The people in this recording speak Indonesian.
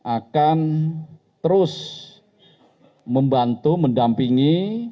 akan terus membantu mendampingi